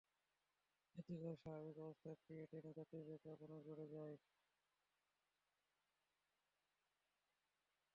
এতে করে স্বাভাবিক অবস্থার চেয়ে ট্রেনে যাত্রীদের চাপ অনেক বেড়ে যায়।